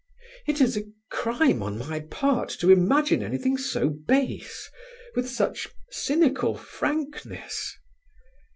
"It is a crime on my part to imagine anything so base, with such cynical frankness."